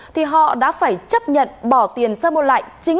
tôi bán ở trên chợ rời